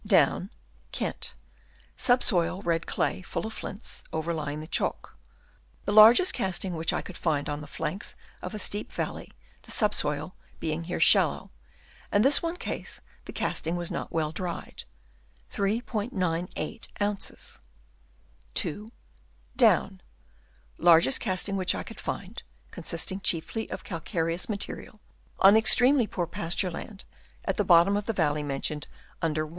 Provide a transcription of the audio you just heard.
Down, Kent (sub soil red clay, full of flints, over lying the chalk). The largest casting which I could find on the flanks of a steep valley, the sub soil being here shallow. In this one case, the casting was not well dried .. (2.) Down. — Largest casting which I could find (con sisting chiefly of calcareous matter), on extremely poor pasture land at the bottom of the valley mentioned under (1.)